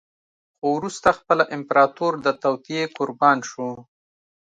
خو وروسته خپله امپراتور د توطیې قربان شو.